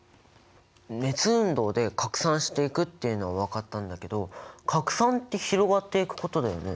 熱運動で拡散していくっていうのは分かったんだけど拡散って広がっていくことだよね？